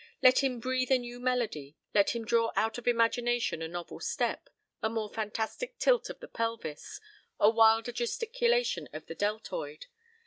Let him breathe a new melody, let him draw out of imagination a novel step, a more fantastic tilt of the pelvis, a wilder gesticulation of the deltoid.